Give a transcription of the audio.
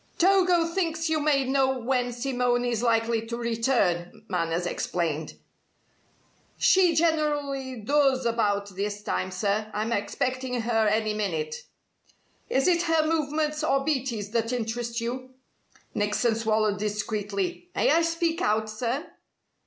"Togo thinks you may know when Simone is likely to return," Manners explained. "She generally does about this time, sir. I'm expecting her any minute." "Is it her movements or Beatty's that interest you?" Nickson swallowed discreetly. "May I speak out, sir?"